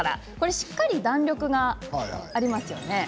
しっかり、弾力がありますよね。